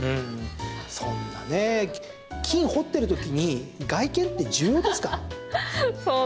そんな、金掘っている時に外見って重要ですか？